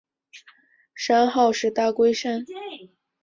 山号是大龟山。